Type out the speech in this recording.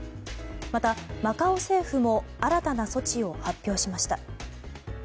またマカオ政府も新たな措置を発表しました。